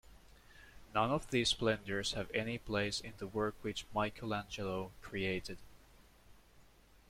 None of these splendours have any place in the work which Michelangelo created.